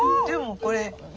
でもこれ。